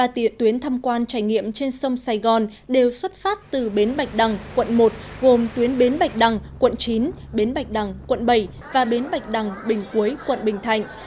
ba tuyến thăm quan trải nghiệm trên sông sài gòn đều xuất phát từ bến bạch đằng quận một gồm tuyến bến bạch đằng quận chín bến bạch đằng quận bảy và bến bạch đằng bình cuối quận bình thạnh